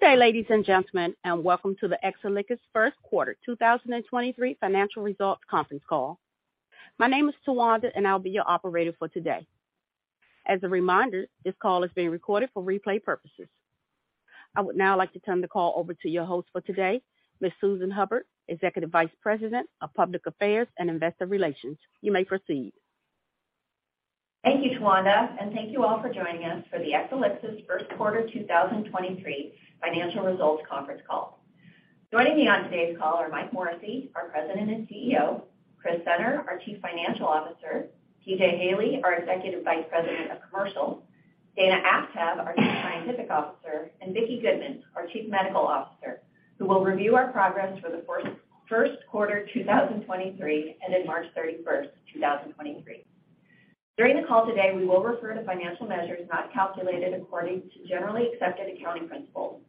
Good day, ladies and gentlemen, welcome to the Exelixis Q1 2023 financial results conference call. My name is Tawanda, I'll be your operator for today. As a reminder, this call is being recorded for replay purposes. I would now like to turn the call over to your host for today, Ms. Susan Hubbard, Executive Vice President of Public Affairs and Investor Relations. You may proceed. Thank you, Tawanda, and thank you all for joining us for the Exelixis Q1 2023 financial results conference call. Joining me on today's call are Mike Morrissey, our President and CEO, Chris Senner, our Chief Financial Officer, P.J. Haley, our Executive Vice President of Commercial, Dana Aftab, our Chief Scientific Officer, and Vicki Goodman, our Chief Medical Officer, who will review our progress for the 1st quarter 2023, ending March 31st, 2023. During the call today, we will refer to financial measures not calculated according to Generally Accepted Accounting Principles.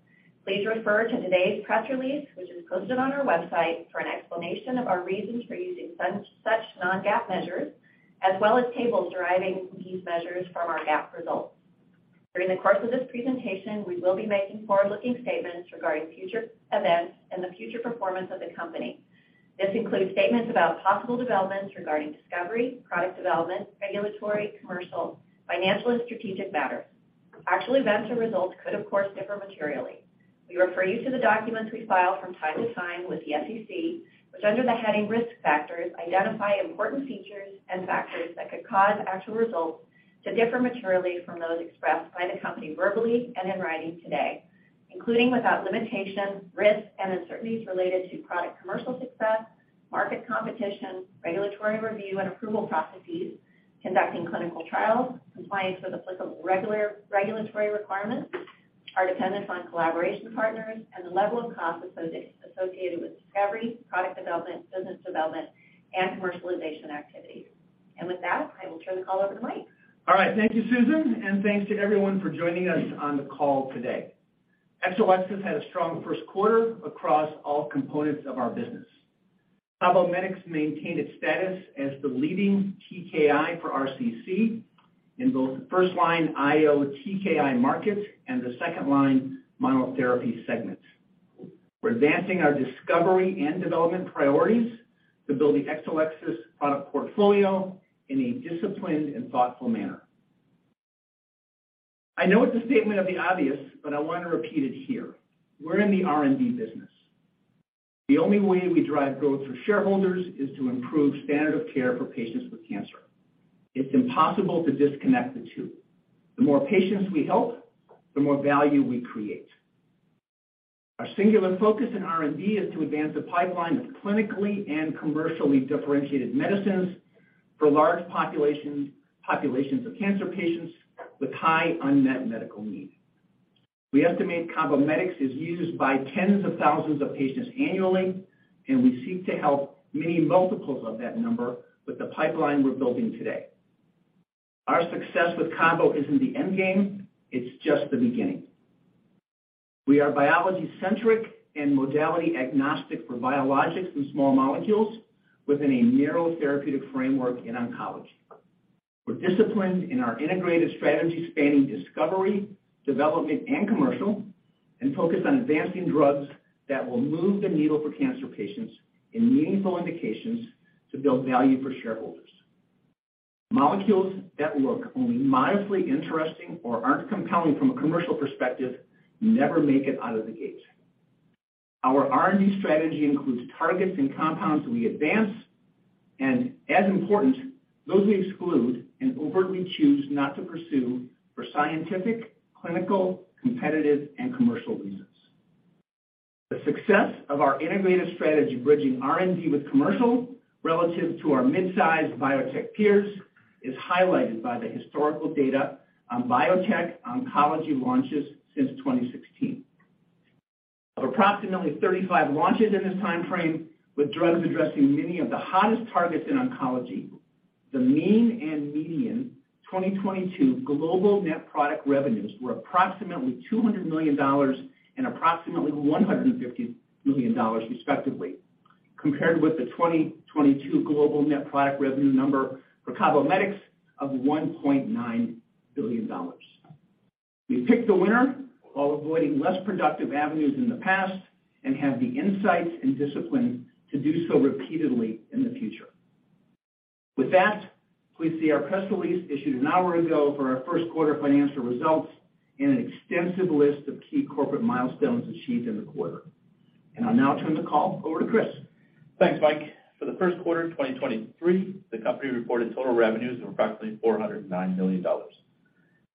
Please refer to today's press release, which is posted on our website, for an explanation of our reasons for using such non-GAAP measures, as well as tables deriving these measures from our GAAP results. During the course of this presentation, we will be making forward-looking statements regarding future events and the future performance of the company. This includes statements about possible developments regarding discovery, product development, regulatory, commercial, financial, and strategic matters. Actual events or results could, of course, differ materially. We refer you to the documents we file from time to time with the SEC, which, under the heading Risk Factors, identify important features and factors that could cause actual results to differ materially from those expressed by the company verbally and in writing today, including without limitation, risks and uncertainties related to product commercial success, market competition, regulatory review and approval processes, conducting clinical trials, compliance with applicable regulatory requirements, our dependence on collaboration partners, and the level of cost associated with discovery, product development, business development, and commercialization activities. With that, I will turn the call over to Mike. All right. Thank you, Susan, and thanks to everyone for joining us on the call today. Exelixis had a strong Q1 across all components of our business. CABOMETYX maintained its status as the leading TKI for RCC in both the first-line IO-TKI market and the second-line monotherapy segments. We're advancing our discovery and development priorities to build the Exelixis product portfolio in a disciplined and thoughtful manner. I know it's a statement of the obvious. I want to repeat it here. We're in the R&D business. The only way we drive growth for shareholders is to improve standard of care for patients with cancer. It's impossible to disconnect the two. The more patients we help, the more value we create. Our singular focus in R&D is to advance a pipeline of clinically and commercially differentiated medicines for large populations of cancer patients with high unmet medical need. We estimate CABOMETYX is used by tens of thousands of patients annually, and we seek to help many multiples of that number with the pipeline we're building today. Our success with CABO isn't the end game, it's just the beginning. We are biology-centric and modality agnostic for biologics and small molecules within a narrow therapeutic framework in oncology. We're disciplined in our integrated strategy spanning discovery, development, and commercial, and focused on advancing drugs that will move the needle for cancer patients in meaningful indications to build value for shareholders. Molecules that look only mildly interesting or aren't compelling from a commercial perspective never make it out of the gate. Our R&D strategy includes targets and compounds we advance, and as important, those we exclude and overtly choose not to pursue for scientific, clinical, competitive, and commercial reasons. The success of our integrated strategy, bridging R&D with commercial relative to our mid-sized biotech peers, is highlighted by the historical data on biotech oncology launches since 2016. Of approximately 35 launches in this timeframe with drugs addressing many of the hottest targets in oncology, the mean and median 2022 global net product revenues were approximately $200 million and approximately $150 million respectively, compared with the 2022 global net product revenue number for CABOMETYX of $1.9 billion. We picked the winner while avoiding less productive avenues in the past and have the insights and discipline to do so repeatedly in the future. With that, please see our press release issued an hour ago for our Q1 financial results and an extensive list of key corporate milestones achieved in the quarter. I'll now turn the call over to Chris. Thanks, Mike. For the Q1 of 2023, the company reported total revenues of approximately $409 million,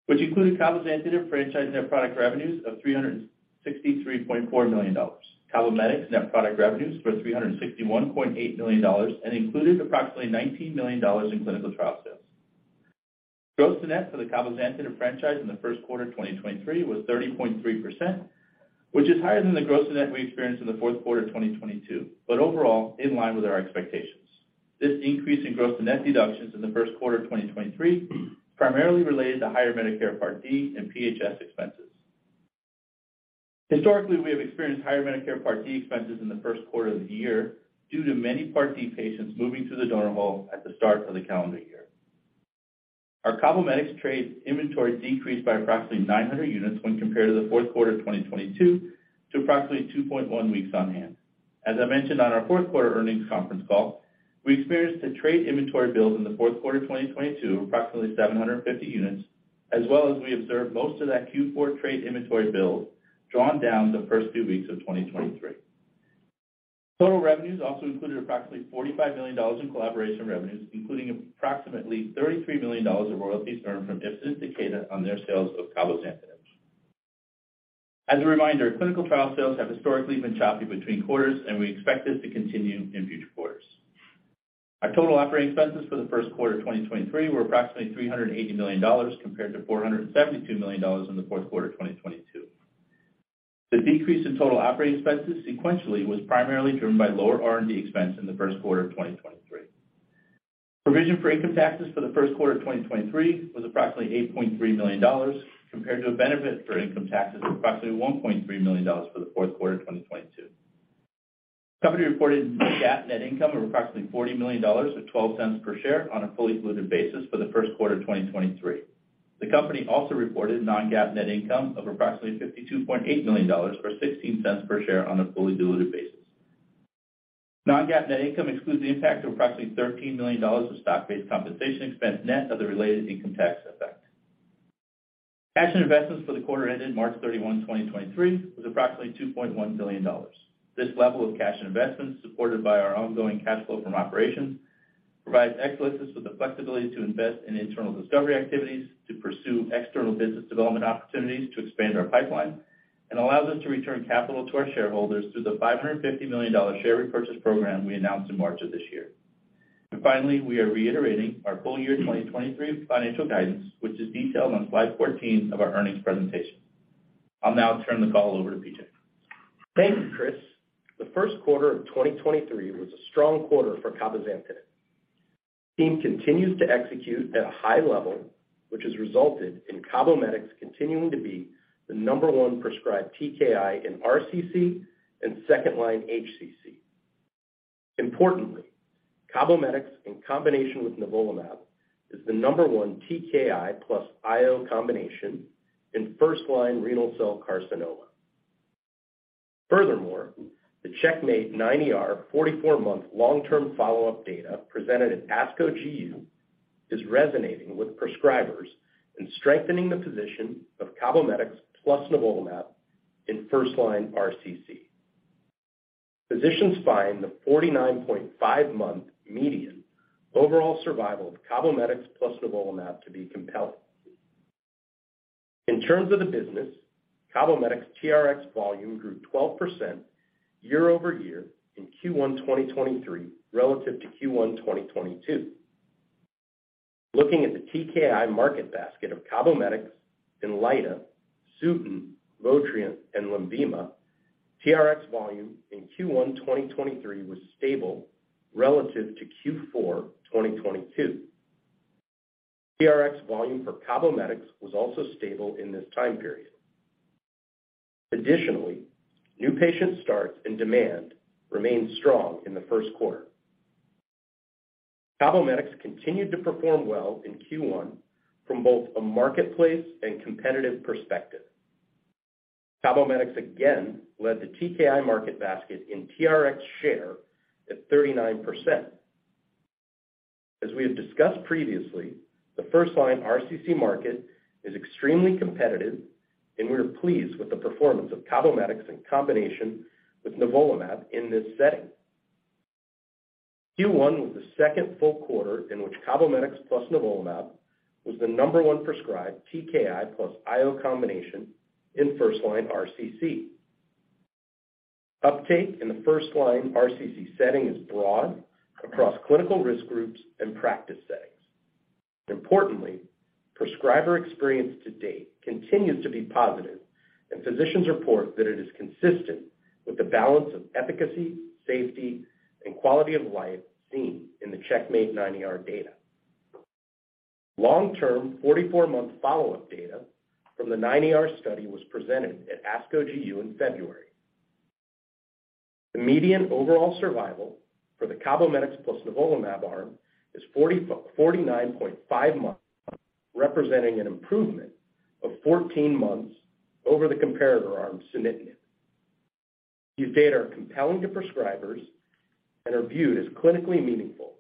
which included CABOMETYX franchise net product revenues of $363.4 million. CABOMETYX net product revenues were $361.8 million and included approximately $19 million in clinical trial sales. Gross to net for the CABOMETYX franchise in the Q1 of 2023 was 30.3%, which is higher than the gross to net we experienced in the Q4 of 2022, but overall in line with our expectations. This increase in gross to net deductions in the Q1 of 2023 primarily related to higher Medicare Part D and PHS expenses. Historically, we have experienced higher Medicare Part D expenses in the Q1 of the year due to many Part D patients moving to the donut hole at the start of the calendar year. Our CABOMETYX trade inventory decreased by approximately 900 units when compared to the Q4 of 2022 to approximately 2.1 weeks on hand. As I mentioned on our Q4 earnings conference call, we experienced a trade inventory build in the Q4 of 2022 of approximately 750 units, as well as we observed most of that Q4 trade inventory build drawn down the first 2 weeks of 2023. Total revenues also included approximately $45 million in collaboration revenues, including approximately $33 million of royalties earned from Ipsen Takeda on their sales of CABOMETYX. As a reminder, clinical trial sales have historically been choppy between quarters, and we expect this to continue in future quarters. Our total operating expenses for the Q1 of 2023 were approximately $380 million compared to $472 million in the Q4 of 2022. The decrease in total operating expenses sequentially was primarily driven by lower R&D expense in the Q1 of 2023. Provision for income taxes for the Q1 of 2023 was approximately $8.3 million, compared to a benefit for income taxes of approximately $1.3 million for the Q4 of 2022. Company reported net GAAP net income of approximately $40 million, or $0.12 per share on a fully diluted basis for the Q1 of 2023. The company also reported non-GAAP net income of approximately $52.8 million, or $0.16 per share on a fully diluted basis. Non-GAAP net income excludes the impact of approximately $13 million of stock-based compensation expense net of the related income tax effect. Cash and investments for the quarter ended March 31, 2023, was approximately $2.1 billion. This level of cash and investments, supported by our ongoing cash flow from operations, provides Exelixis with the flexibility to invest in internal discovery activities, to pursue external business development opportunities to expand our pipeline, and allows us to return capital to our shareholders through the $550 million share repurchase program we announced in March of this year. Finally, we are reiterating our full year 2023 financial guidance, which is detailed on slide 14 of our earnings presentation. I'll now turn the call over to PJ. Thank you, Chris. The Q1 of 2023 was a strong quarter for CABOMETYX. Team continues to execute at a high level, which has resulted in CABOMETYX continuing to be the number one prescribed TKI in RCC and second line HCC. Importantly, CABOMETYX in combination with Nivolumab is the number one TKI plus IO combination in first line renal cell carcinoma. The CheckMate 9ER 44 month long-term follow-up data presented at ASCO GU is resonating with prescribers and strengthening the position of CABOMETYX plus Nivolumab in first line RCC. Physicians find the 49.5 month median overall survival of CABOMETYX plus Nivolumab to be compelling. In terms of the business, CABOMETYX TRX volume grew 12% year-over-year in Q1, 2023 relative to Q1, 2022. Looking at the TKI market basket of CABOMETYX and INLYTA, Sutent, Votrient, and Lenvima, TRX volume in Q1 2023 was stable relative to Q4 2022. TRX volume for CABOMETYX was also stable in this time period. New patient starts and demand remained strong in the Q1. CABOMETYX continued to perform well in Q1 from both a marketplace and competitive perspective. CABOMETYX again led the TKI market basket in TRX share at 39%. The first line RCC market is extremely competitive, and we are pleased with the performance of CABOMETYX in combination with Nivolumab in this setting. Q1 was the second full quarter in which CABOMETYX plus Nivolumab was the number 1 prescribed TKI plus IO combination in first line RCC. Uptake in the first line RCC setting is broad across clinical risk groups and practice settings. Importantly, prescriber experience to date continues to be positive, and physicians report that it is consistent with the balance of efficacy, safety, and quality of life seen in the CheckMate 9ER data. Long-term 44 month follow-up data from the 9ER study was presented at ASCO GU in February. The median overall survival for the CABOMETYX plus Nivolumab arm is 44.5 months, representing an improvement of 14 months over the comparator arm sunitinib. These data are compelling to prescribers and are viewed as clinically meaningful,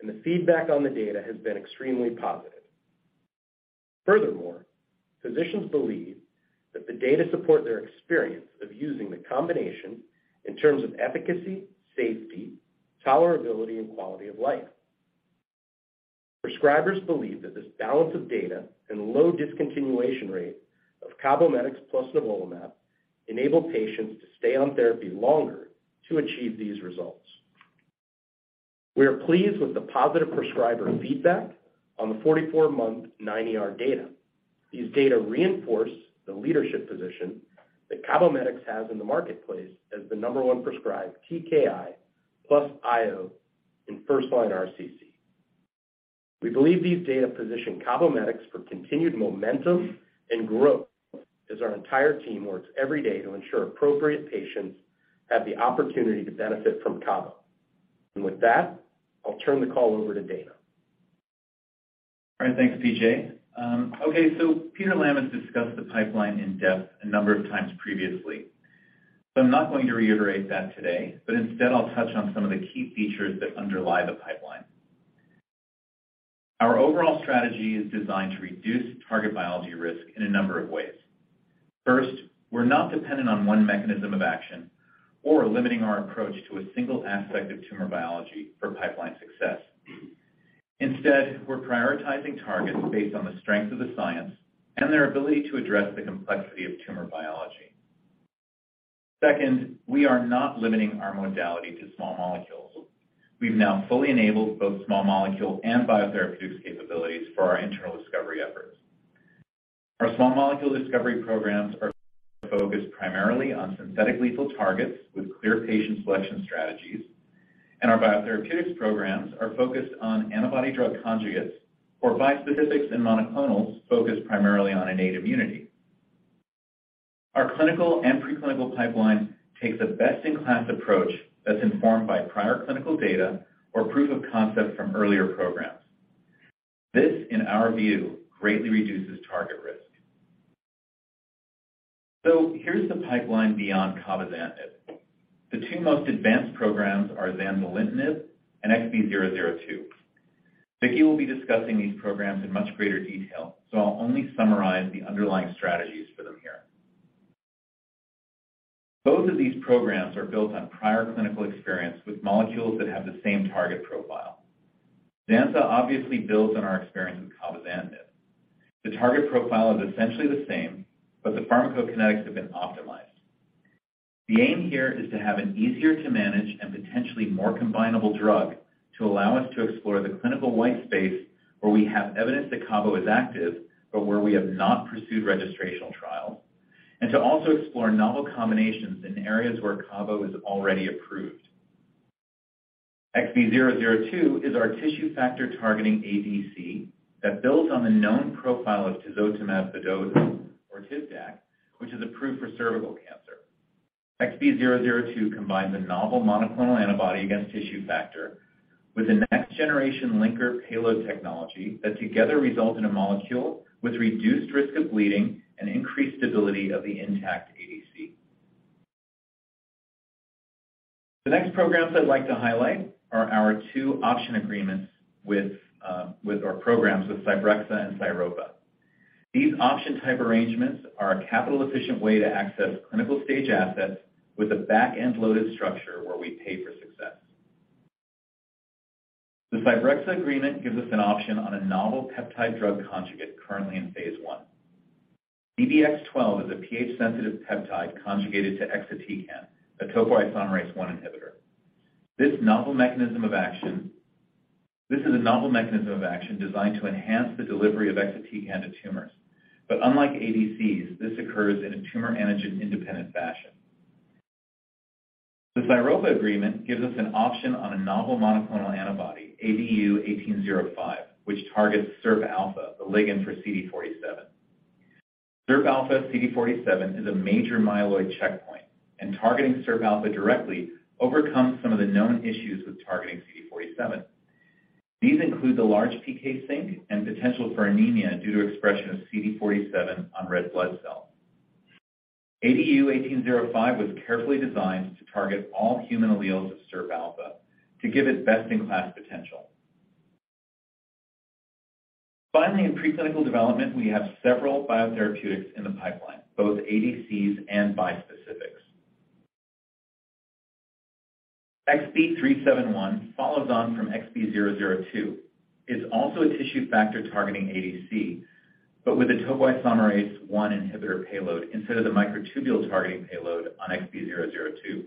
and the feedback on the data has been extremely positive. Physicians believe that the data support their experience of using the combination in terms of efficacy, safety, tolerability, and quality of life. Prescribers believe that this balance of data and low discontinuation rate of CABOMETYX plus Nivolumab enable patients to stay on therapy longer to achieve these results. We are pleased with the positive prescriber feedback on the 44 month 9ER data. These data reinforce the leadership position that CABOMETYX has in the marketplace as the number one prescribed TKI plus IO in first line RCC. We believe these data position CABOMETYX for continued momentum and growth as our entire team works every day to ensure appropriate patients have the opportunity to benefit from CABO. With that, I'll turn the call over to Dana. All right. Thanks, PJ Okay, Peter Lamb has discussed the pipeline in depth a number of times previously, so I'm not going to reiterate that today, but instead, I'll touch on some of the key features that underlie the pipeline. Our overall strategy is designed to reduce target biology risk in a number of ways. First, we're not dependent on one mechanism of action or limiting our approach to a single aspect of tumor biology for pipeline success. Instead, we're prioritizing targets based on the strength of the science and their ability to address the complexity of tumor biology. Second, we are not limiting our modality to small molecules. We've now fully enabled both small molecule and biotherapeutics capabilities for our internal discovery efforts. Our small molecule discovery programs are focused primarily on synthetic lethal targets with clear patient selection strategies, and our biotherapeutics programs are focused on antibody drug conjugates or Bispecific and Monoclonal focused primarily on innate immunity. Our clinical and preclinical pipeline takes a best-in-class approach that's informed by prior clinical data or proof of concept from earlier programs. This, in our view, greatly reduces target risk. Here's the pipeline beyond Cabozantinib. The 2 most advanced programs are zanzalintinib and XB002. Vicki will be discussing these programs in much greater detail. I'll only summarize the underlying strategies for them here. Both of these programs are built on prior clinical experience with molecules that have the same target profile. Xanta obviously builds on our experience with Cabozantinib. The target profile is essentially the same. The pharmacokinetics have been optimized. The aim here is to have an easier-to-manage and potentially more combinable drug to allow us to explore the clinical white space where we have evidence that CABO is active, but where we have not pursued registrational trials, and to also explore novel combinations in areas where CABO is already approved. XB002 is our tissue factor-targeting ADC that builds on the known profile of Tisotumab vedotin or Tivdak, which is approved for cervical cancer. XB002 combines a novel monoclonal antibody against tissue factor with a next-generation linker payload technology that together result in a molecule with reduced risk of bleeding and increased stability of the intact ADC. The next programs I'd like to highlight are our two option agreements with our programs with Cybrexa and Sairopa. These option-type arrangements are a capital-efficient way to access clinical-stage assets with a back-end-loaded structure where we pay for success. The Cybrexa agreement gives us an option on a novel peptide-drug conjugate currently in phase 1. CBX-12 is a pH-sensitive peptide conjugated to Exatecan, a topoisomerase I inhibitor. This is a novel mechanism of action designed to enhance the delivery of Exatecan to tumors. Unlike ADCs, this occurs in a tumor antigen-independent fashion. The Sairopa agreement gives us an option on a novel monoclonal antibody, ADU-1805, which targets SIRPα, the ligand for CD47. SIRPα CD47 is a major myeloid checkpoint, targeting SIRPα directly overcomes some of the known issues with targeting CD47. These include the large PK sink and potential for anemia due to expression of CD47 on red blood cells. ADU-1805 was carefully designed to target all human alleles of SIRPα to give it best-in-class potential. In preclinical development, we have several biotherapeutics in the pipeline, both ADCs and Bispecific. XB371 follows on from XB002. It's also a tissue factor targeting ADC, but with a topoisomerase I inhibitor payload instead of the microtubule targeting payload on XB002.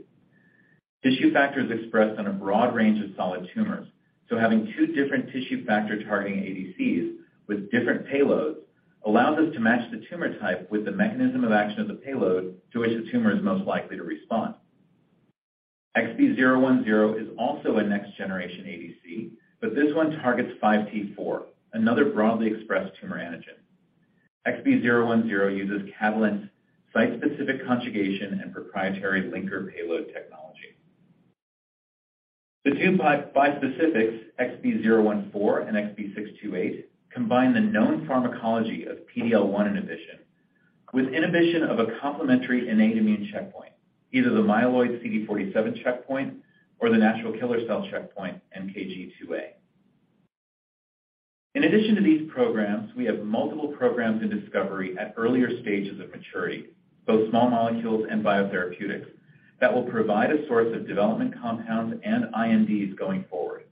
Tissue factor is expressed on a broad range of solid tumors, having two different tissue factor-targeting ADCs with different payloads allows us to match the tumor type with the mechanism of action of the payload to which the tumor is most likely to respond. XB010 is also a next-generation ADC, this one targets 5T4, another broadly expressed tumor antigen. XB010 uses Catalent's site-specific conjugation and proprietary linker payload technology. The two Bispecific, XB014 and XB628, combine the known pharmacology of PD-L1 inhibition with inhibition of a complementary innate immune checkpoint, either the myeloid CD47 checkpoint or the natural killer cell checkpoint, NKG2A. In addition to these programs, we have multiple programs in discovery at earlier stages of maturity, both small molecules and biotherapeutics, that will provide a source of development compounds and INDs going forward.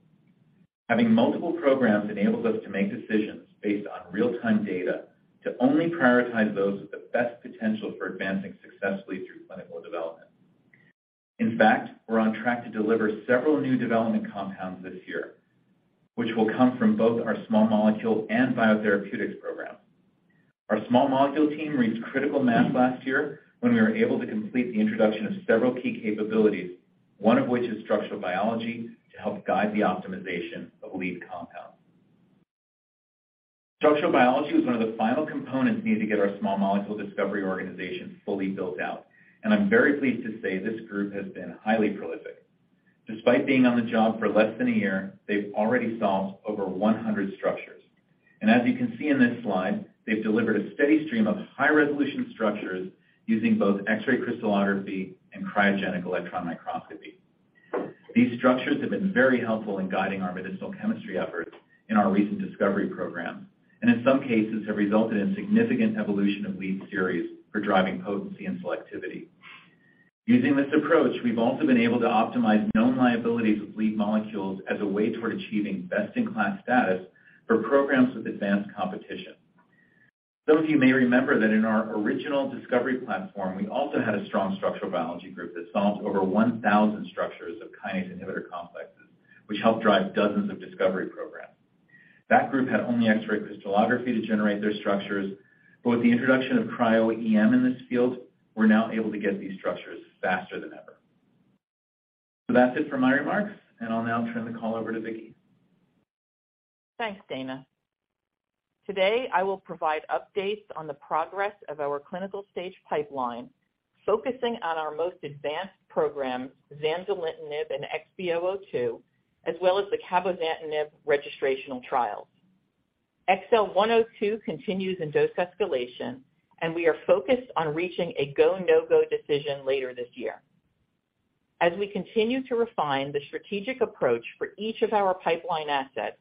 Having multiple programs enables us to make decisions based on real-time data to only prioritize those with the best potential for advancing successfully through clinical development. In fact, we're on track to deliver several new development compounds this year, which will come from both our small molecule and biotherapeutics program. Our small molecule team reached critical mass last year when we were able to complete the introduction of several key capabilities, one of which is structural biology to help guide the optimization of lead compounds. Structural biology was one of the final components needed to get our small molecule discovery organization fully built out, and I'm very pleased to say this group has been highly prolific. Despite being on the job for less than a year, they've already solved over 100 structures. And as you can see in this slide, they've delivered a steady stream of high-resolution structures using both X-ray crystallography and cryogenic electron microscopy. These structures have been very helpful in guiding our medicinal chemistry efforts in our recent discovery program, and in some cases have resulted in significant evolution of lead series for driving potency and selectivity. Using this approach, we've also been able to optimize known liabilities with lead molecules as a way toward achieving best-in-class status for programs with advanced competition. Some of you may remember that in our original discovery platform, we also had a strong structural biology group that solved over 1,000 structures of kinase inhibitor complexes, which helped drive dozens of discovery programs. That group had only X-ray crystallography to generate their structures. With the introduction of cryo-EM in this field, we're now able to get these structures faster than ever. That's it for my remarks, and I'll now turn the call over to Vicki. Thanks, Dana. Today, I will provide updates on the progress of our clinical stage pipeline, focusing on our most advanced programs, zanzalintinib and XB002, as well as the Cabozantinib registrational trials. XL102 continues in dose escalation, and we are focused on reaching a go, no-go decision later this year. As we continue to refine the strategic approach for each of our pipeline assets,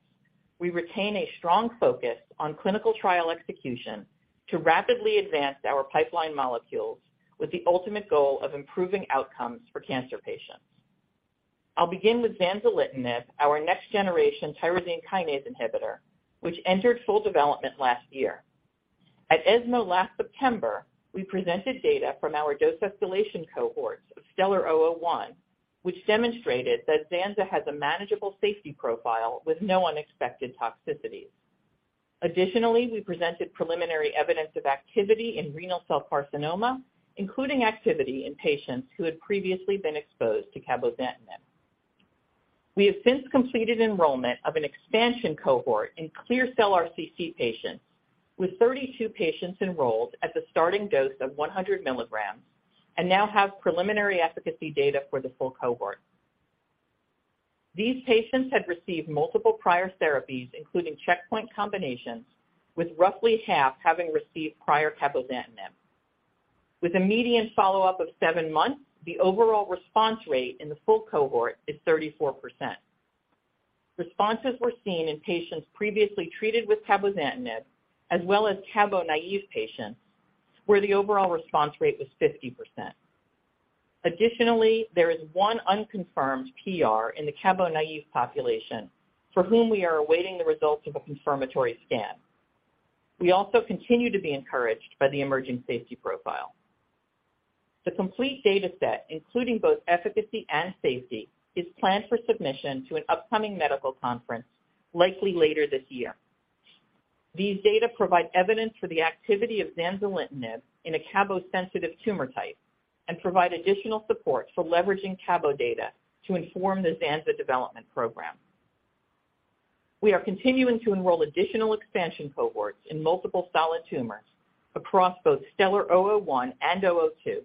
we retain a strong focus on clinical trial execution to rapidly advance our pipeline molecules with the ultimate goal of improving outcomes for cancer patients. I'll begin with zanzalintinib, our next-generation tyrosine kinase inhibitor, which entered full development last year. At ESMO last September, we presented data from our dose escalation cohorts of STELLAR-001, which demonstrated that zanza has a manageable safety profile with no unexpected toxicities. Additionally, we presented preliminary evidence of activity in renal cell carcinoma, including activity in patients who had previously been exposed to Cabozantinib. We have since completed enrollment of an expansion cohort in clear cell RCC patients with 32 patients enrolled at the starting dose of 100 milligrams and now have preliminary efficacy data for the full cohort. These patients had received multiple prior therapies, including checkpoint combinations, with roughly half having received prior Cabozantinib. With a median follow-up of 7 months, the overall response rate in the full cohort is 34%. Responses were seen in patients previously treated with Cabozantinib as well as CABO-naive patients, where the overall response rate was 50%. There is 1 unconfirmed PR in the CABO-naive population for whom we are awaiting the results of a confirmatory scan. We also continue to be encouraged by the emerging safety profile. The complete data set, including both efficacy and safety, is planned for submission to an upcoming medical conference, likely later this year. These data provide evidence for the activity of zanzalintinib in a cabo-sensitive tumor type and provide additional support for leveraging cabo data to inform the zanza development program. We are continuing to enroll additional expansion cohorts in multiple solid tumors across both STELLAR-001 and 002,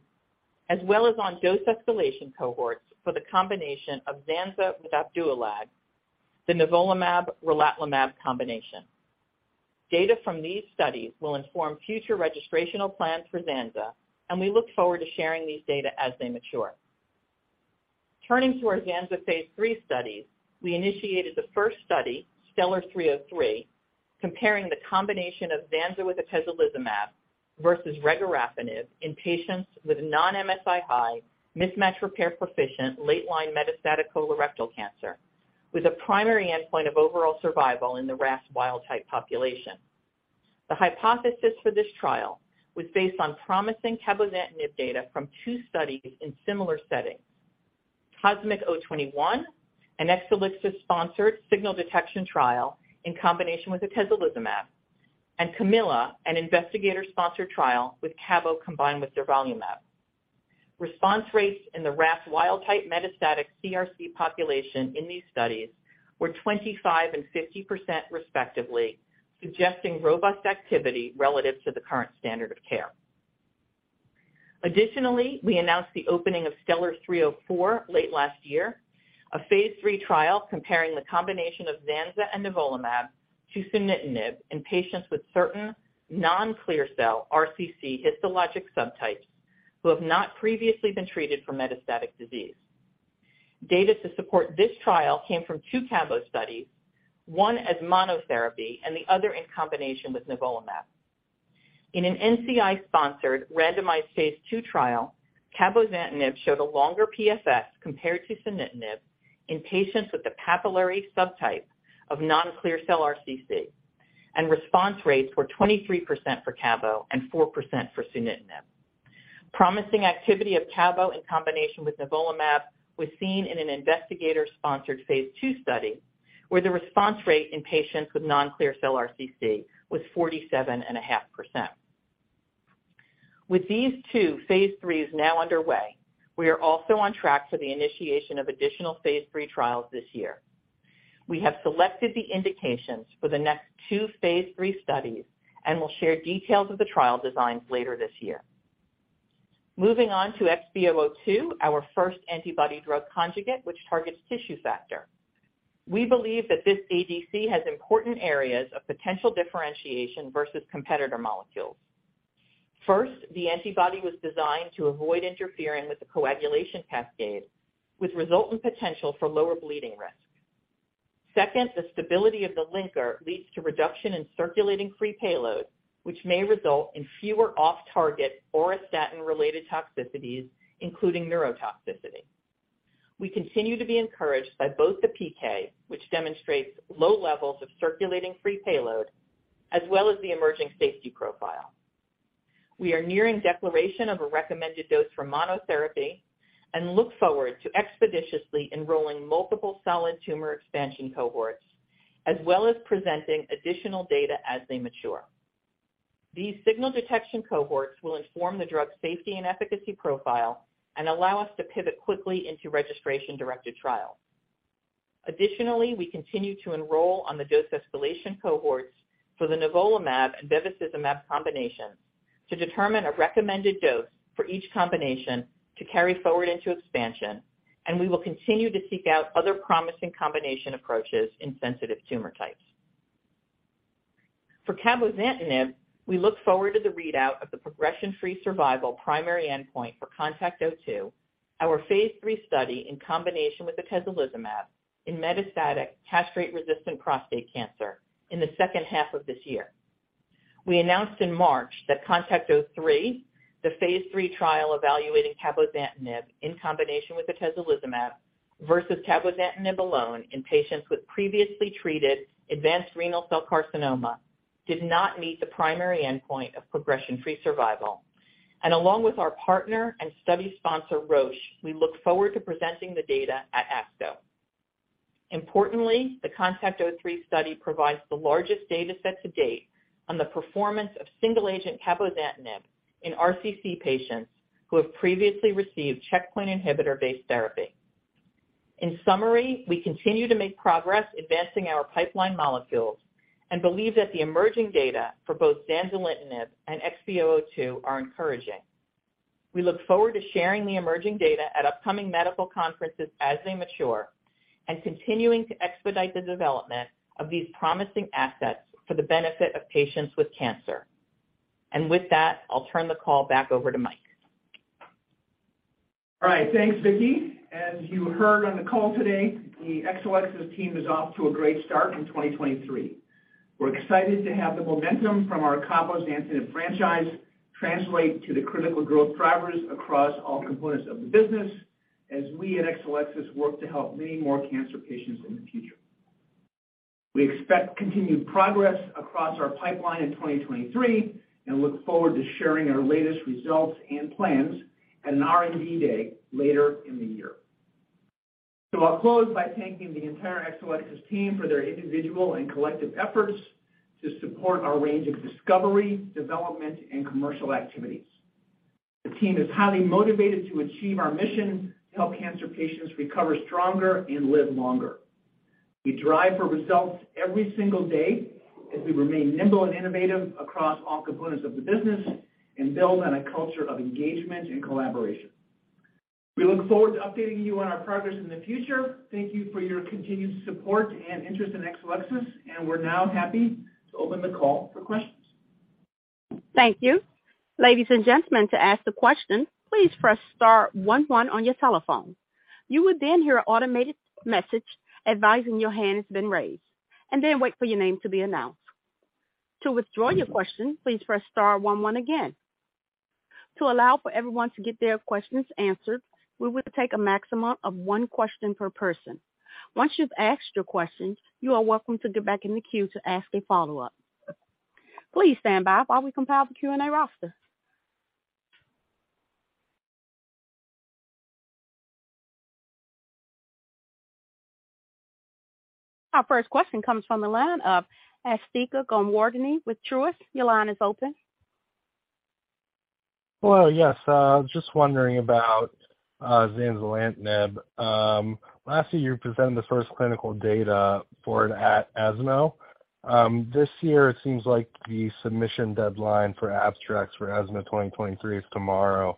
as well as on dose escalation cohorts for the combination of zanza with Opdualag, the Nivolumab/relatlimab combination. Data from these studies will inform future registrational plans for zanza, and we look forward to sharing these data as they mature. Turning to our zanzalintinib phase 3 studies, we initiated the first study, STELLAR-303, comparing the combination of zanzalintinib with atezolizumab versus regorafenib in patients with non-MSI-H, mismatch repair proficient, late-line metastatic colorectal cancer, with a primary endpoint of overall survival in the RAS wild-type population. The hypothesis for this trial was based on promising Cabozantinib data from two studies in similar settings. COSMIC-021, an Exelixis-sponsored signal detection trial in combination with atezolizumab, and CAMILLA, an investigator-sponsored trial with CABO combined with durvalumab. Response rates in the RAS wild-type metastatic CRC population in these studies were 25% and 50% respectively, suggesting robust activity relative to the current standard of care. Additionally, we announced the opening of STELLAR-304 late last year, a phase III trial comparing the combination of zanza and Nivolumab to sunitinib in patients with certain non-clear cell RCC histologic subtypes who have not previously been treated for metastatic disease. Data to support this trial came from 2 cabo studies, one as monotherapy and the other in combination with Nivolumab. In an NCI-sponsored randomized phase II trial, Cabozantinib showed a longer PFS compared to sunitinib in patients with a papillary subtype of non-clear cell RCC, and response rates were 23% for Cabo and 4% for Sunitinib. Promising activity of CABO in combination with Nivolumab was seen in an investigator-sponsored Phase 2 study, where the response rate in patients with non-clear cell RCC was 47.5%. With these two Phase 3 now underway, we are also on track for the initiation of additional Phase 3 trials this year. We have selected the indications for the next two Phase 3 studies and will share details of the trial designs later this year. Moving on to XB002, our first antibody drug conjugate, which targets tissue factor. We believe that this ADC has important areas of potential differentiation versus competitor molecules. First, the antibody was designed to avoid interfering with the coagulation cascade, which result in potential for lower bleeding risk. Second, the stability of the linker leads to reduction in circulating free payload, which may result in fewer off-target or a statin-related toxicities, including neurotoxicity. We continue to be encouraged by both the PK, which demonstrates low levels of circulating free payload, as well as the emerging safety profile. We are nearing declaration of a recommended dose for monotherapy and look forward to expeditiously enrolling multiple solid tumor expansion cohorts, as well as presenting additional data as they mature. These signal detection cohorts will inform the drug safety and efficacy profile and allow us to pivot quickly into registration-directed trial. We continue to enroll on the dose escalation cohorts for the Nivolumab and bevacizumab combinations to determine a recommended dose for each combination to carry forward into expansion, and we will continue to seek out other promising combination approaches in sensitive tumor types. For Cabozantinib, we look forward to the readout of the progression-free survival primary endpoint for CONTACT-02, our phase 3 study in combination with atezolizumab in metastatic castration-resistant prostate cancer in the second half of this year. We announced in March that CONTACT-03, the phase 3 trial evaluating Cabozantinib in combination with atezolizumab versus Cabozantinib alone in patients with previously treated advanced renal cell carcinoma, did not meet the primary endpoint of progression-free survival. Along with our partner and study sponsor, Roche, we look forward to presenting the data at ASCO. Importantly, the CONTACT-03 study provides the largest data set to date on the performance of single-agent Cabozantinib in RCC patients who have previously received checkpoint inhibitor-based therapy. In summary, we continue to make progress advancing our pipeline molecules and believe that the emerging data for both zanzalintinib and XB002 are encouraging. We look forward to sharing the emerging data at upcoming medical conferences as they mature and continuing to expedite the development of these promising assets for the benefit of patients with cancer. With that, I'll turn the call back over to Mike. All right. Thanks, Vicki. As you heard on the call today, the Exelixis team is off to a great start in 2023. We're excited to have the momentum from our Cabozantinib franchise translate to the critical growth drivers across all components of the business as we at Exelixis work to help many more cancer patients in the future. We expect continued progress across our pipeline in 2023 and look forward to sharing our latest results and plans at an R&D day later in the year. I'll close by thanking the entire Exelixis team for their individual and collective efforts to support our range of discovery, development, and commercial activities. The team is highly motivated to achieve our mission to help cancer patients recover stronger and live longer. We drive for results every single day as we remain nimble and innovative across all components of the business and build on a culture of engagement and collaboration. We look forward to updating you on our progress in the future. Thank you for your continued support and interest in Exelixis, and we're now happy to open the call for questions. Thank you. Ladies and gentlemen, to ask the question, please press star 1, 1 on your telephone. You will then hear an automated message advising your hand has been raised, and then wait for your name to be announced. To withdraw your question, please press star 1, 1 again. To allow for everyone to get their questions answered, we will take a maximum of one question per person. Once you've asked your question, you are welcome to get back in the queue to ask a follow-up. Please stand by while we compile the Q&A roster. Our first question comes from the line of Asthika Goonewardene with Truist. Your line is open. Well, yes. Just wondering about zanzalintinib. Last year, you presented the first clinical data for it at ESMO. This year, it seems like the submission deadline for abstracts for ESMO 2023 is tomorrow.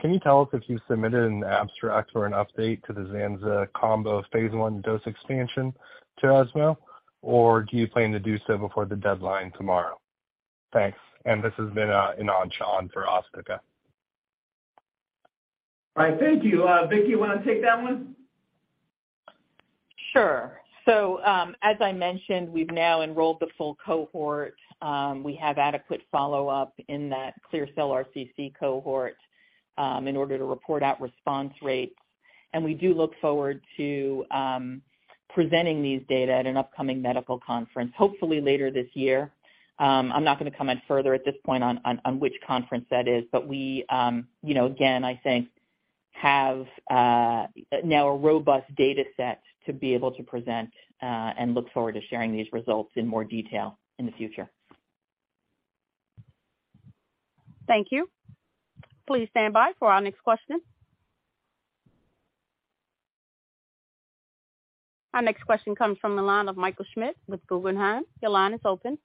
Can you tell us if you submitted an abstract or an update to the zanzalintinib combo phase 1 dose expansion to ESMO? Do you plan to do so before the deadline tomorrow? Thanks. This has been in on John for Asthika. All right. Thank you. Vicki, you want to take that one? Sure. As I mentioned, we've now enrolled the full cohort. We have adequate follow-up in that clear cell RCC cohort, in order to report out response rates. We do look forward to presenting these data at an upcoming medical conference, hopefully later this year. I'm not gonna comment further at this point on which conference that is, but we, again, I think have now a robust data set to be able to present and look forward to sharing these results in more detail in the future. Thank you. Please stand by for our next question. Our next question comes from the line of Michael Schmidt with Guggenheim. Your line is open.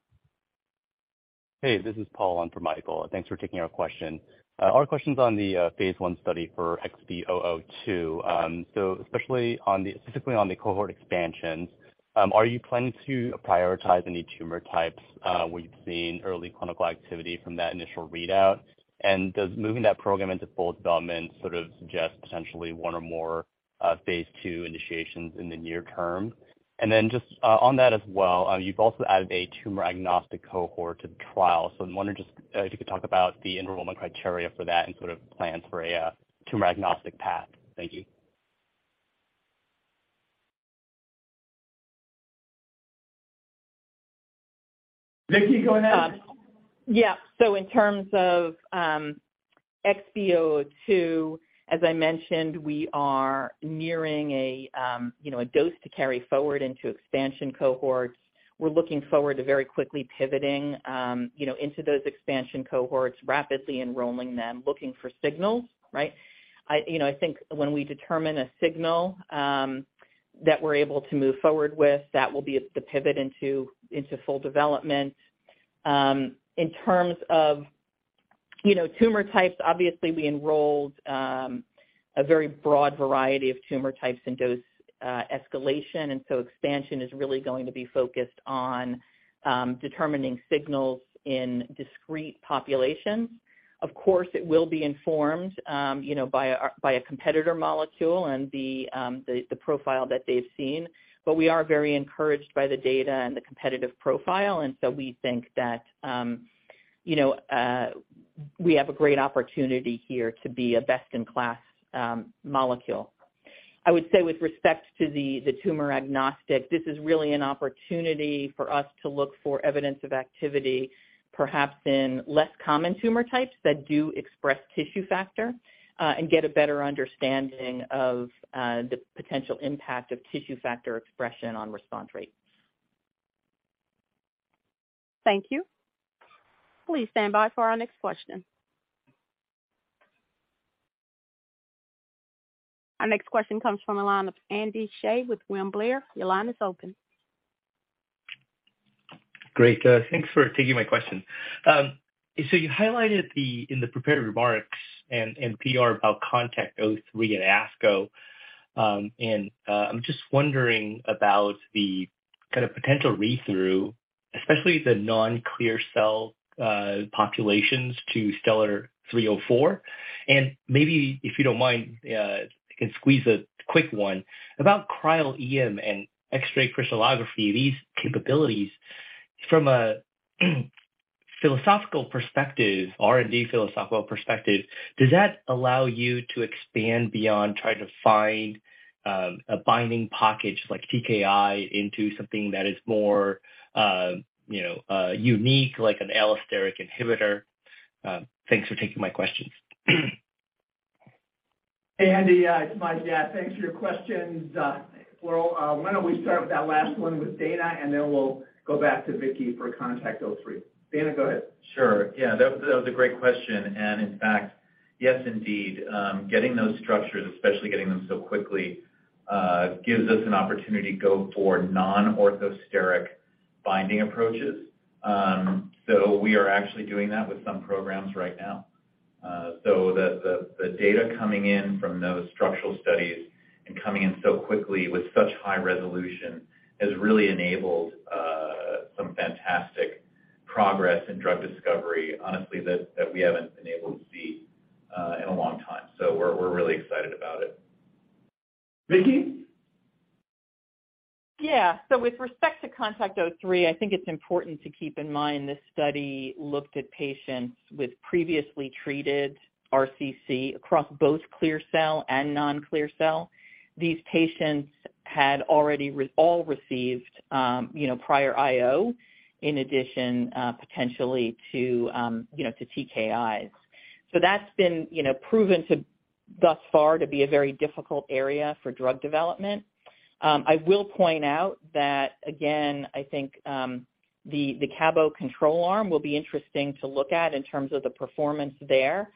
Hey, this is Paul on for Michael. Thanks for taking our question. Our question's on the phase 1 study for XB002. Especially specifically on the cohort expansion, are you planning to prioritize any tumor types where you've seen early clinical activity from that initial readout? Does moving that program into full development sort of suggest potentially one or more phase 2 initiations in the near term? Just on that as well, you've also added a tumor-agnostic cohort to the trial. I'm wondering just if you could talk about the enrollment criteria for that and sort of plans for a tumor-agnostic path? Thank you. Vicki, go ahead. Yeah. In terms of XB002, as I mentioned, we are nearing a dose to carry forward into expansion cohorts. We're looking forward to very quickly pivoting into those expansion cohorts, rapidly enrolling them, looking for signals, right? I think when we determine a signal that we're able to move forward with, that will be the pivot into full development. In terms of tumor types, obviously, we enrolled a very broad variety of tumor types in dose escalation, expansion is really going to be focused on determining signals in discrete populations. Of course, it will be informed by a competitor molecule and the profile that they've seen. We are very encouraged by the data and the competitive profile. We think that, we have a great opportunity here to be a best-in-class molecule. I would say with respect to the tumor agnostic, this is really an opportunity for us to look for evidence of activity, perhaps in less common tumor types that do express tissue factor, and get a better understanding of the potential impact of tissue factor expression on response rates. Thank you. Please stand by for our next question. Our next question comes from the line of Andy Hsieh with William Blair. Your line is open. Great. Thanks for taking my question. You highlighted the, in the prepared remarks and PR about CONTACT-03 at ASCO, and I'm just wondering about the kind of potential read-through, especially the non-clear cell populations to STELLAR-304. Maybe, if you don't mind, I can squeeze a quick one. About cryo-EM and X-ray crystallography, these capabilities from a philosophical perspective, R&D philosophical perspective, does that allow you to expand beyond trying to find a binding pocket like TKI into something that is more, unique, like an allosteric inhibitor? Thanks for taking my questions. Hey, Andy, it's Mike Morrissey. Thanks for your questions. Well, why don't we start with that last one with Dana, and then we'll go back to Vicki for CONTACT-03. Dana, go ahead. Sure. that was a great question. In fact, yes, indeed, getting those structures, especially getting them so quickly, gives us an opportunity to go for non-orthosteric binding approaches. We are actually doing that with some programs right now. The data coming in from those structural studies and coming in so quickly with such high resolution has really enabled some fantastic progress in drug discovery, honestly, that we haven't been able to see in a long time. We're really excited about it. Vicki? With respect to CONTACT-03, I think it's important to keep in mind this study looked at patients with previously treated RCC across both clear cell and non-clear cell. These patients had already all received, prior IO in addition, potentially to, to TKIs. That's been, proven to thus far to be a very difficult area for drug development. I will point out that again, I think, the CABO control arm will be interesting to look at in terms of the performance there,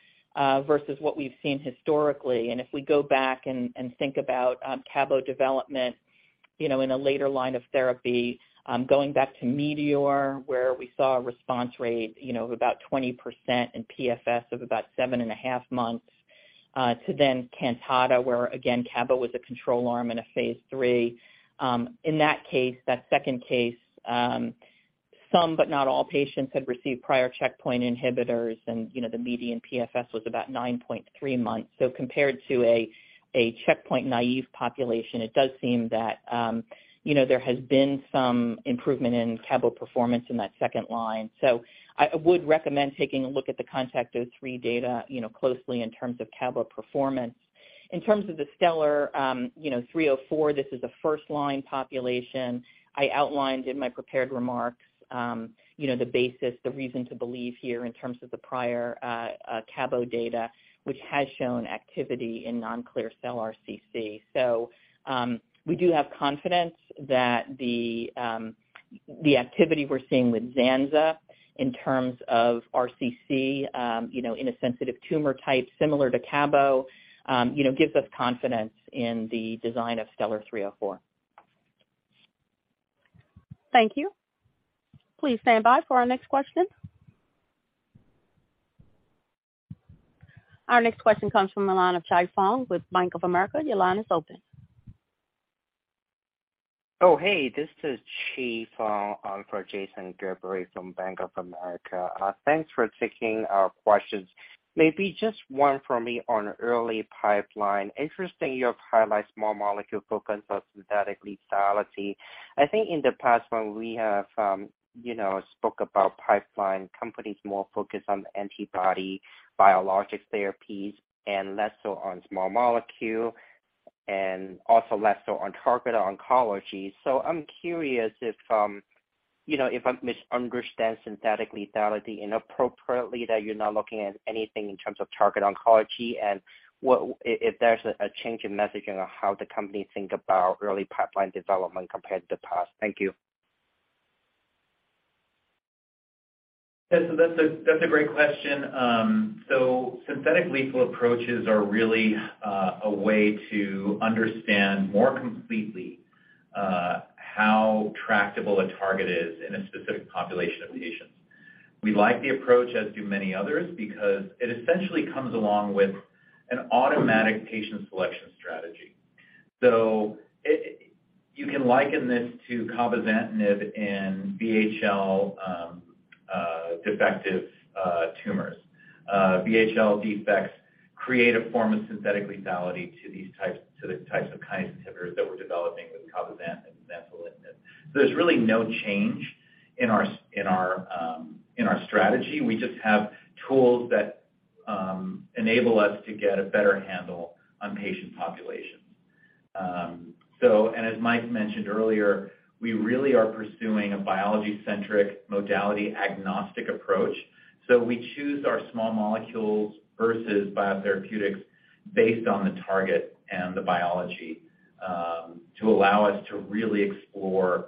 versus what we've seen historically. If we go back and think about CABO development, in a later line of therapy, going back to METEOR, where we saw a response rate, of about 20% and PFS of about seven and a half months, to then CANTATA, where again, CABO was a control arm in a phase 3. In that case, that second case, some but not all patients had received prior checkpoint inhibitors, and, the median PFS was about 9.3 months. Compared to a checkpoint-naive population, it does seem that, there has been some improvement in CABO performance in that second line. I would recommend taking a look at the CONTACT-03 data, closely in terms of CABO performance. In terms of the STELLAR, 304, this is a first-line population. I outlined in my prepared remarks, the basis, the reason to believe here in terms of the prior CABO data, which has shown activity in non-clear cell RCC. We do have confidence that the activity we're seeing with ZANZA in terms of RCC, in a sensitive tumor type similar to CABO, gives us confidence in the design of STELLAR-304. Thank you. Please stand by for our next question. Our next question comes from the line of Chi Fong with Bank of America. Your line is open. Hey, this is Chi Fong for Jason Gerberry from Bank of America. Thanks for taking our questions. Maybe just one for me on early pipeline. Interesting, you have highlighted small molecule focus on synthetic lethality. I think in the past when we have, spoke about pipeline companies more focused on the antibody biologic therapies and less so on small molecule and also less so on targeted oncology. I'm curious if, if I misunderstand synthetic lethality inappropriately, that you're not looking at anything in terms of target oncology and if there's a change in messaging on how the company think about early pipeline development compared to the past. Thank you. Yeah. That's a great question. Synthetic lethal approaches are really a way to understand more completely how tractable a target is in a specific population of patients. We like the approach, as do many others, because it essentially comes along with an automatic patient selection strategy. You can liken this to Cabozantinib in VHL defective tumors. VHL defects create a form of synthetic lethality to the types of kinase inhibitors that we're developing with Cabozantinib and Vandetanib. There's really no change in our strategy. We just have tools that enable us to get a better handle on patient populations. As Mike mentioned earlier, we really are pursuing a biology-centric modality agnostic approach. We choose our small molecules versus biotherapeutics based on the target and the biology, to allow us to really explore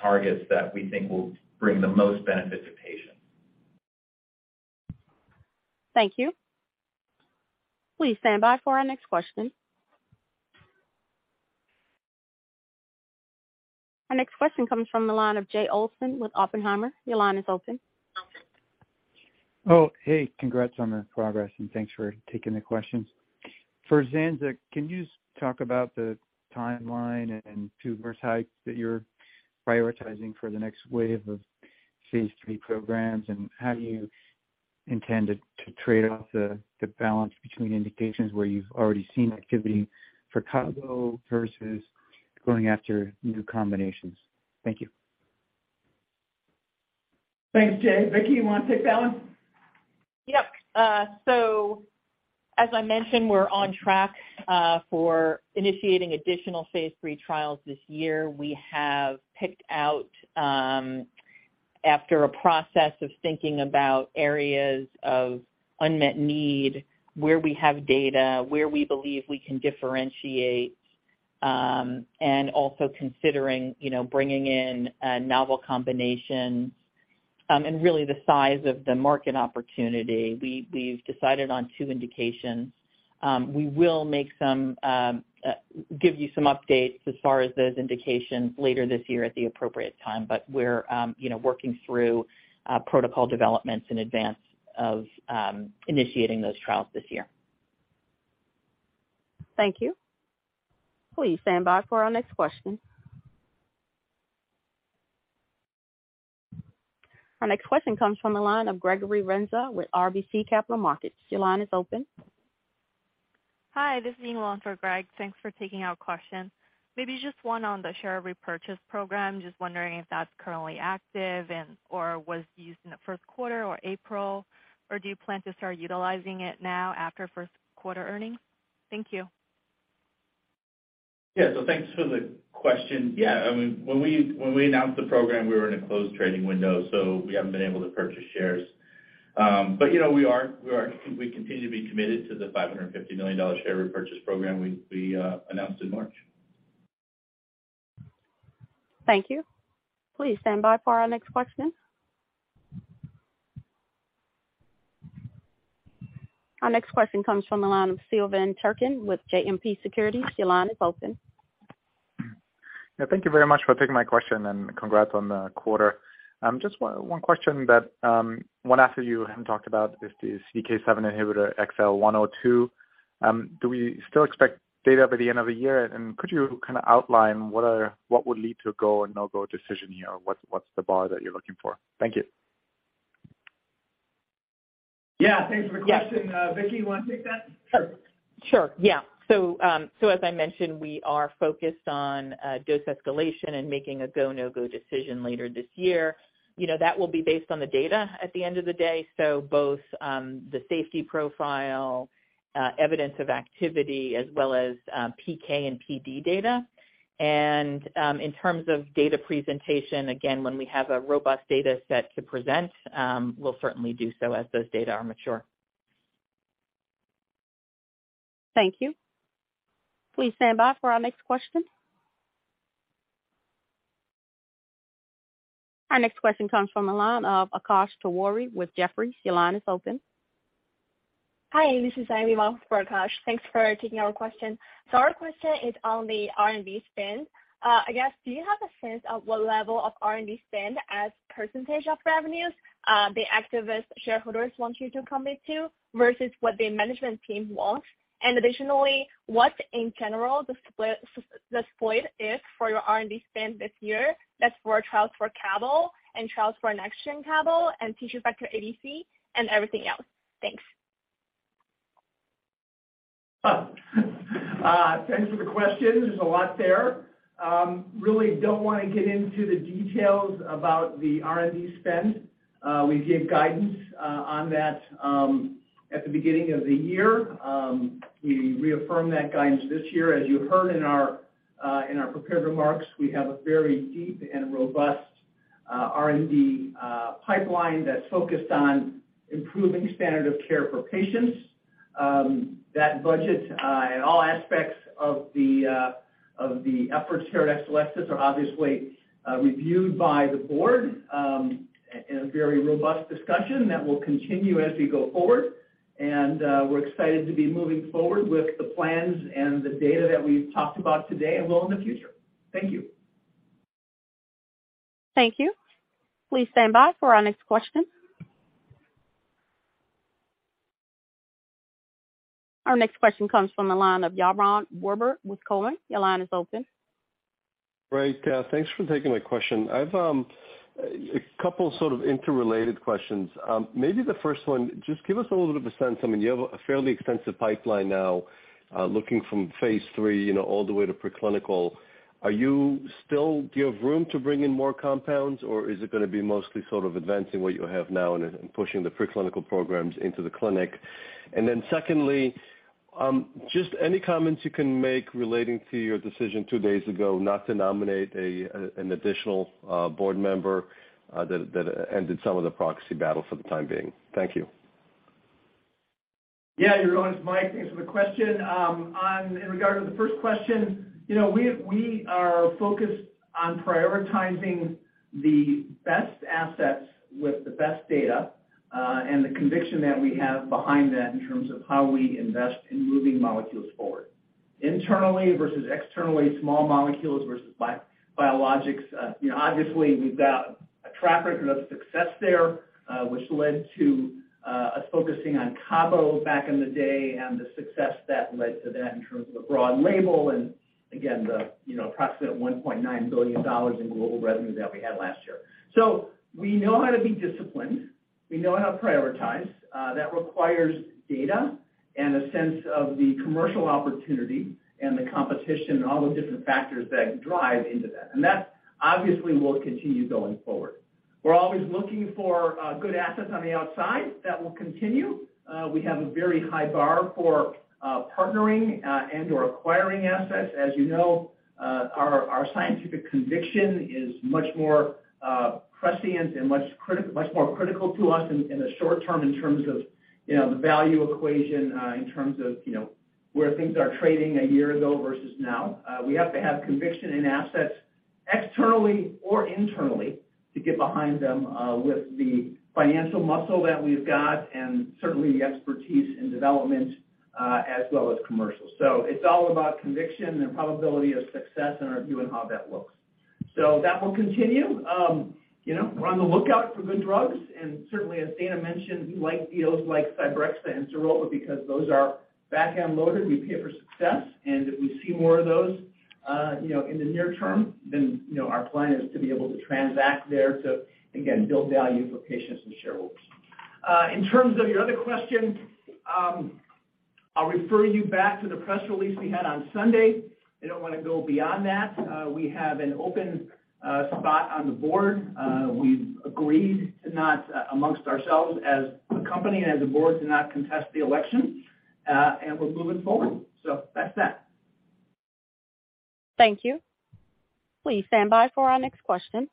targets that we think will bring the most benefit to patients. Thank you. Please stand by for our next question. Our next question comes from the line of Jay Olson with Oppenheimer. Your line is open. Hey, congrats on the progress and thanks for taking the questions. For zanzalintinib, can you just talk about the timeline and tumors sites that you're prioritizing for the next wave of Phase 3 programs? How do you intend to trade off the balance between indications where you've already seen activity for CABO versus going after new combinations? Thank you. Thanks, Jay. Vicky, you wanna take that one? Yep. As I mentioned, we're on track for initiating additional Phase 3 trials this year. We have picked out after a process of thinking about areas of unmet need, where we have data, where we believe we can differentiate, and also considering, bringing in a novel combination, and really the size of the market opportunity. We've decided on 2 indications. We will make some give you some updates as far as those indications later this year at the appropriate time. We're, working through protocol developments in advance of initiating those trials this year. Thank you. Please stand by for our next question. Our next question comes from the line of Gregory Renza with RBC Capital Markets. Your line is open. Hi, this is Ying Wong for Greg. Thanks for taking our question. Maybe just one on the share repurchase program. Just wondering if that's currently active and or was used in the Q1 or April, or do you plan to start utilizing it now after Q1 earnings? Thank you. Thanks for the question. I mean, when we announced the program, we were in a closed trading window, so we haven't been able to purchase shares. we continue to be committed to the $550 million share repurchase program we announced in March. Thank you. Please stand by for our next question. Our next question comes from the line of Silvan Tuerkcan with JMP Securities. Your line is open. thank you very much for taking my question and congrats on the quarter. Just one question that one after you hadn't talked about is the CDK7 inhibitor XL102. Do we still expect data by the end of the year? Could you kind of outline what would lead to a go or no-go decision here? What's the bar that you're looking for? Thank you. Thanks for the question. Vicki, you wanna take that? Sure. Yeah. As I mentioned, we are focused on dose escalation and making a go, no-go decision later this year. that will be based on the data at the end of the day. Both, the safety profile, evidence of activity as well as PK and PD data. In terms of data presentation, again, when we have a robust data set to present, we'll certainly do so as those data are mature. Thank you. Please stand by for our next question. Our next question comes from the line of Akash Tewari with Jefferies. Your line is open. Hi, this is Amy Wong with Akash. Thanks for taking our question. Our question is on the R&D spend. I guess, do you have a sense of what level of R&D spend as % of revenues the activist shareholders want you to commit to versus what the management team wants? Additionally, what in general the split is for your R&D spend this year that's for trials for cabo and trials for next-gen cabo and T-cell factor ADC and everything else? Thanks. Thanks for the question. There's a lot there. Really don't wanna get into the details about the R&D spend. We gave guidance on that at the beginning of the year. We reaffirmed that guidance this year. As you heard in our prepared remarks, we have a very deep and robust R&D pipeline that's focused on improving standard of care for patients. That budget and all aspects of the efforts here at Exelixis are obviously reviewed by the board in a very robust discussion that will continue as we go forward. We're excited to be moving forward with the plans and the data that we've talked about today and will in the future. Thank you. Thank you. Please stand by for our next question. Our next question comes from the line of Yaron Werber with Cowen. Your line is open. Great. Thanks for taking my question. I've a couple sort of interrelated questions. Maybe the first one, just give us a little bit of a sense. I mean, you have a fairly extensive pipeline now, looking from phase 3, all the way to preclinical. Are you still, do you have room to bring in more compounds, or is it gonna be mostly sort of advancing what you have now and pushing the preclinical programs into the clinic? Secondly, just any comments you can make relating to your decision 2 days ago not to nominate a an additional board member that ended some of the proxy battle for the time being? Thank you. Yaron, it's Mike. Thanks for the question. In regard to the first question, we are focused on prioritizing the best assets with the best data and the conviction that we have behind that in terms of how we invest in moving molecules forward. Internally versus externally, small molecules versus biologics, obviously we've got a track record of success there, which led to us focusing on CABO back in the day and the success that led to that in terms of a broad label and, again, the, approximate $1.9 billion in global revenue that we had last year. We know how to be disciplined. We know how to prioritize. That requires data and a sense of the commercial opportunity and the competition and all the different factors that drive into that. That obviously will continue going forward. We're always looking for good assets on the outside. That will continue. We have a very high bar for partnering and/or acquiring assets. As our scientific conviction is much more prescient and much more critical to us in the short term in terms of, the value equation, in terms of, where things are trading a year ago versus now. We have to have conviction in assets externally or internally to get behind them with the financial muscle that we've got and certainly the expertise in development as well as commercial. It's all about conviction and probability of success and our view on how that looks. That will continue. we're on the lookout for good drugs, certainly as Dana mentioned, we like deals like Cybrexa and Sairopa because those are back-end loaded. We pay it for success, and if we see more of those, in the near term, then, our plan is to be able to transact there to, again, build value for patients and shareholders. In terms of your other question, I'll refer you back to the press release we had on Sunday. I don't wanna go beyond that. We have an open spot on the board. We've agreed to not, amongst ourselves as a company and as a board, to not contest the election, and we're moving forward. That's that. Thank you. Please stand by for our next question.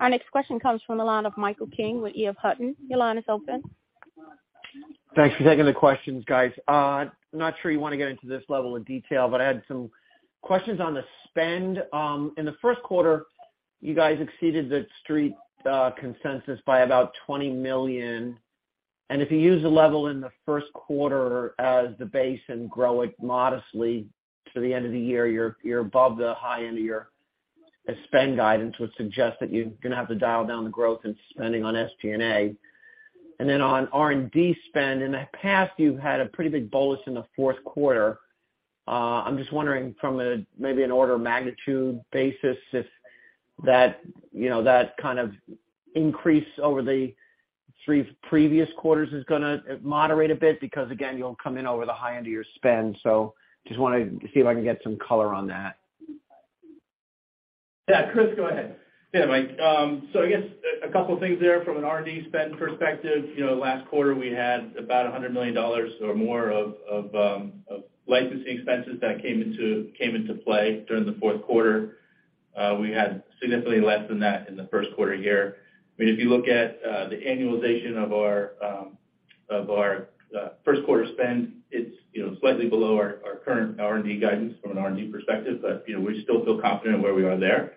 Our next question comes from the line of Michael King with EF Hutton. Your line is open. Thanks for taking the questions, guys. I'm not sure you wanna get into this level of detail, but I had some questions on the spend. In the Q1, you guys exceeded the street consensus by about $20 million. If you use the level in the Q1 as the base and grow it modestly to the end of the year, you're above the high end of your spend guidance, which suggests that you're gonna have to dial down the growth and spending on SG&A. On R&D spend, in the past, you've had a pretty big bolus in the Q4. I'm just wondering from a maybe an order of magnitude basis if that, that kind of increase over the 3 previous quarters is gonna moderate a bit because, again, you'll come in over the high end of your spend. Just wanted to see if I can get some color on that. Chris, go ahead. Mike. I guess a couple things there from an R&D spend perspective. last quarter, we had about $100 million or more of licensing expenses that came into play during the Q4. We had significantly less than that in the Q1 here. If you look at the annualization of our, Of our Q1 spend, it's, slightly below our current R&D guidance from an R&D perspective, but, we still feel confident where we are there.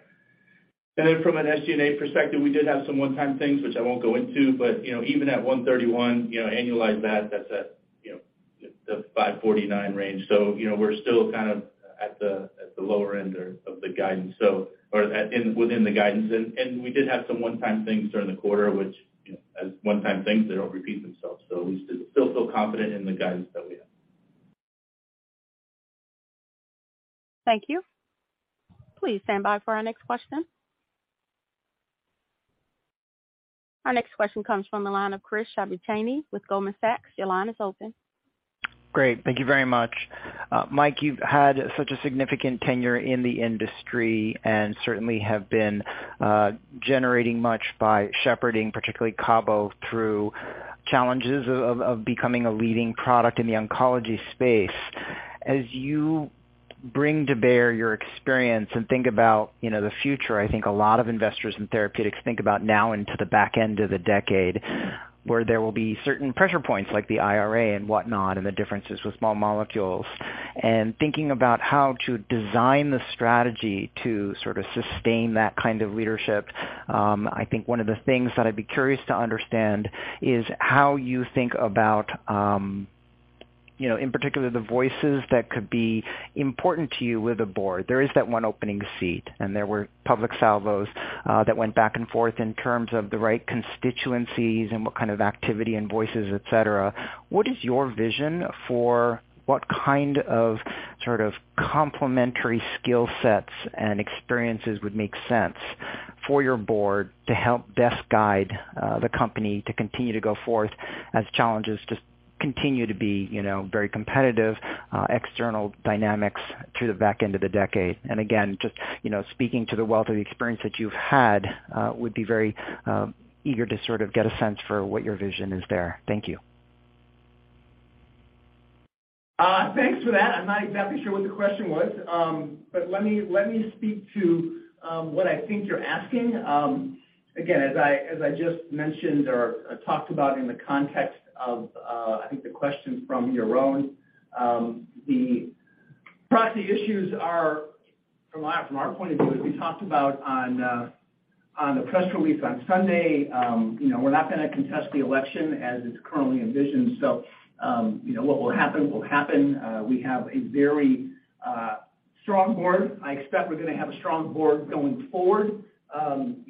Then from an SG&A perspective, we did have some one-time things, which I won't go into, but, even at $131, annualize that's at, the $549 range. We're still kind of at the lower end of the guidance, or in within the guidance. We did have some one-time things during the quarter, which, as one-time things, they don't repeat themselves. We still feel confident in the guidance that we have. Thank you. Please stand by for our next question. Our next question comes from the line of Chris Shibutani with Goldman Sachs. Your line is open. Great. Thank you very much. Mike, you've had such a significant tenure in the industry and certainly have been generating much by shepherding, particularly CABO, through challenges of becoming a leading product in the oncology space. As you bring to bear your experience and think about, the future, I think a lot of investors in therapeutics think about now into the back end of the decade, where there will be certain pressure points like the IRA and whatnot, and the differences with small molecules. Thinking about how to design the strategy to sort of sustain that kind of leadership, I think one of the things that I'd be curious to understand is how you think about, in particular, the voices that could be important to you with the board. There is that 1 opening seat, and there were public salvos that went back and forth in terms of the right constituencies and what kind of activity and voices, et cetera. What is your vision for what kind of sort of complementary skill sets and experiences would make sense for your board to help best guide the company to continue to go forth as challenges just continue to be, very competitive external dynamics through the back end of the decade? Again, just, speaking to the wealth of experience that you've had, would be very eager to sort of get a sense for what your vision is there. Thank you. Thanks for that. I'm not exactly sure what the question was, but let me speak to what I think you're asking. Again, as I just mentioned or talked about in the context of, I think the question from your own, the proxy issues are, from our point of view, as we talked about on the press release on Sunday, we're not gonna contest the election as it's currently envisioned. what will happen will happen. We have a very strong board. I expect we're gonna have a strong board going forward.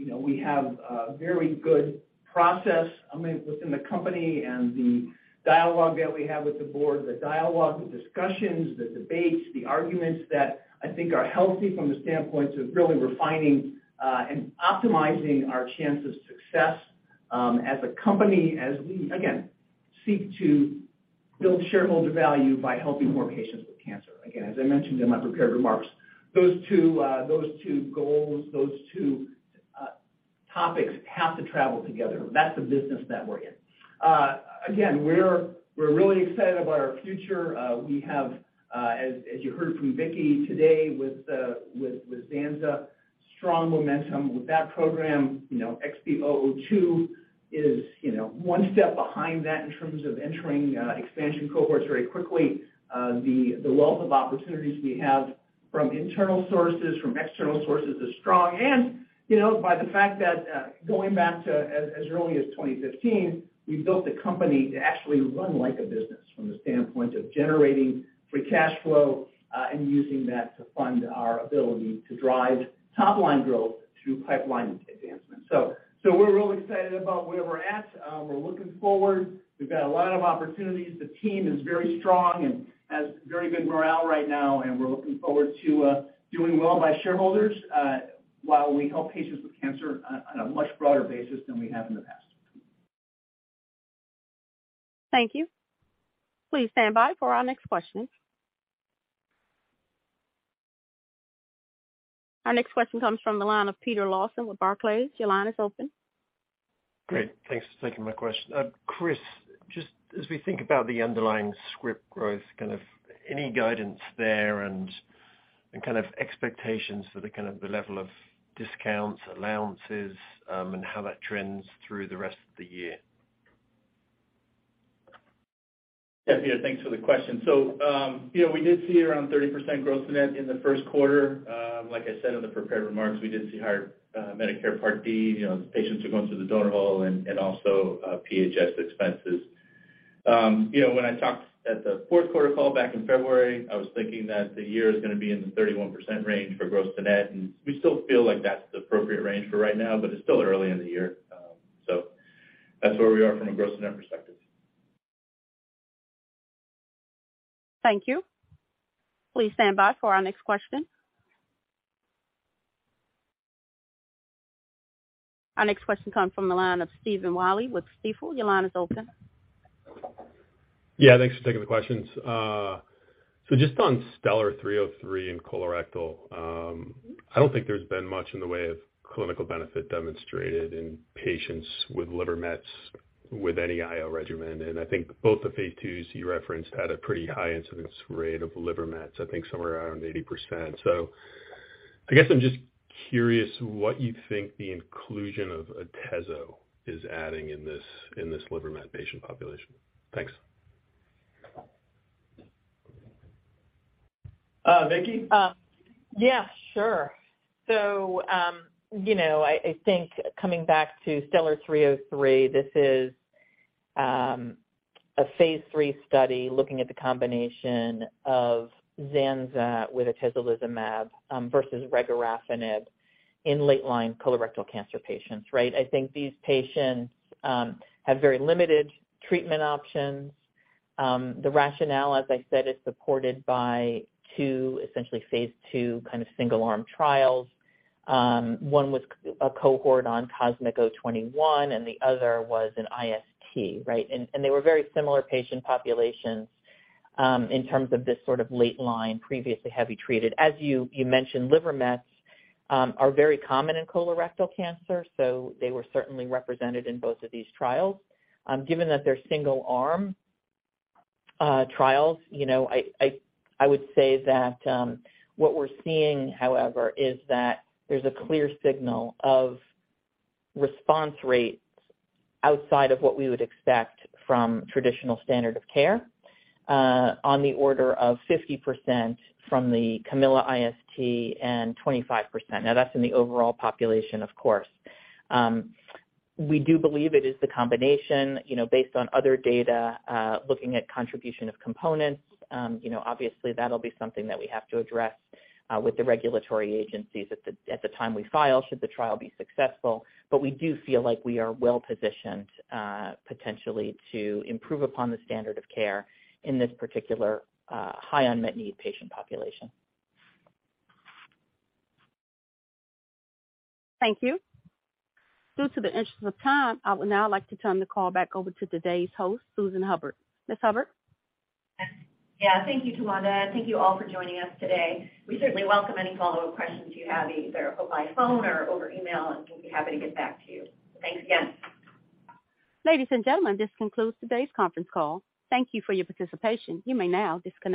we have a very good process, I mean, within the company and the dialogue that we have with the board, the dialogue, the discussions, the debates, the arguments that I think are healthy from the standpoint of really refining, and optimizing our chance of success, as a company, as we, again, seek to build shareholder value by helping more patients with cancer. As I mentioned in my prepared remarks, those two, those two goals, those two, topics have to travel together. That's the business that we're in. We're really excited about our future. We have, as you heard from Vicki today with zanza, strong momentum with that program. XB002 is, one step behind that in terms of entering, expansion cohorts very quickly. The wealth of opportunities we have from internal sources, from external sources is strong. by the fact that, going back to as early as 2015, we've built a company to actually run like a business from the standpoint of generating free cash flow, and using that to fund our ability to drive top line growth through pipeline advancement. we're real excited about where we're at. We're looking forward. We've got a lot of opportunities. The team is very strong and has very good morale right now, and we're looking forward to doing well by shareholders, while we help patients with cancer on a much broader basis than we have in the past. Thank you. Please stand by for our next question. Our next question comes from the line of Peter Lawson with Barclays. Your line is open. Great. Thanks for taking my question. Chris, just as we think about the underlying script growth, kind of any guidance there and kind of expectations for the kind of the level of discounts, allowances, and how that trends through the rest of the year. Peter, thanks for the question. we did see around 30% gross to net in the Q1. like I said in the prepared remarks, we did see higher Medicare Part D. patients going through the donut hole and also PHS expenses. when I talked at the Q4 call back in February, I was thinking that the year is gonna be in the 31% range for gross to net, and we still feel like that's the appropriate range for right now, but it's still early in the year. that's where we are from a gross to net perspective. Thank you. Please stand by for our next question. Our next question comes from the line of Stephen Willey with Stifel. Your line is open. thanks for taking the questions. Just on STELLAR-303 and colorectal, I don't think there's been much in the way of clinical benefit demonstrated in patients with liver mets with any IO regimen. I think both the phase 2s you referenced had a pretty high incidence rate of liver mets, I think somewhere around 80%. I guess I'm just curious what you think the inclusion of atezzo is adding in this, in this liver met patient population. Thanks. Vicki? sure. I think coming back to STELLAR-303, this is a phase 3 study looking at the combination of zanza with Atezolizumab, versus regorafenib in late line colorectal cancer patients, right? I think these patients have very limited treatment options. The rationale, as I said, is supported by 2 essentially phase 2 kind of single arm trials. One was a cohort on COSMIC-021, and the other was an IST, right? They were very similar patient populations, in terms of this sort of late line, previously heavily treated. As you mentioned, liver mets, are very common in colorectal cancer, so they were certainly represented in both of these trials. Given that they're single arm trials, I would say that what we're seeing, however, is that there's a clear signal of response rates outside of what we would expect from traditional standard of care, on the order of 50% from the CAMILLA IST and 25%. Now that's in the overall population, of course. We do believe it is the combination, based on other data, looking at contribution of components. obviously that'll be something that we have to address with the regulatory agencies at the time we file should the trial be successful. We do feel like we are well-positioned potentially to improve upon the standard of care in this particular high unmet need patient population. Thank you. Due to the interest of time, I would now like to turn the call back over to today's host, Susan Hubbard. Ms. Hubbard? Yeah. Thank you, Tawanda, thank you all for joining us today. We certainly welcome any follow questions you have either by phone or over email, and we'd be happy to get back to you. Thanks again. Ladies and gentlemen, this concludes today's conference call. Thank you for your participation. You may now disconnect.